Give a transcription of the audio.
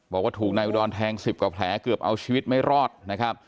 บอกว่าถูกนายอุดรแทง๑๐กว่าแผลเกือบเอาชีวิตไม่รอดนะครับ